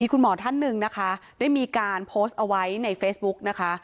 คุณหมอท่านหนึ่งนะคะได้มีการโพสต์เอาไว้ในเฟซบุ๊กนะคะ